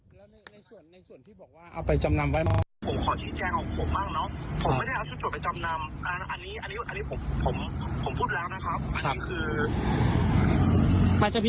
ผมยืนยันเลยครับเดี๋ยวผมทำจดหมายให้ละกันนะครับ